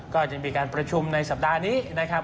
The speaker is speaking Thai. ก็จะมีการประชุมในสัปดาห์นี้นะครับ